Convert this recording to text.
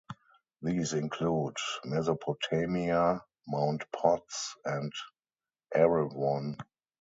These include Mesopotamia, Mount Potts, and Erewhon.